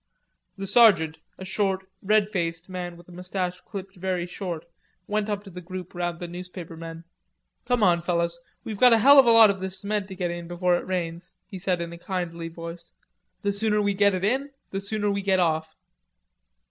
The sergeant, a short, red faced man with a mustache clipped very short, went up to the group round the newspaper men. "Come on, fellers, we've got a hell of a lot of this cement to get in before it rains," he said in a kindly voice; "the sooner we get it in, the sooner we get off."